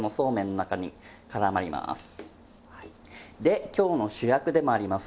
で今日の主役でもあります